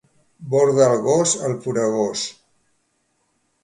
Borda el gos al poregós.